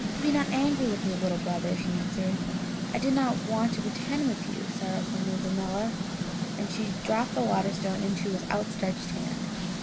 "Be not angry with me, little brother," she answered. "I did not pretend with you, sorrowful Nizza neela!" And she dropped the Wonderstone into his outstretched hand.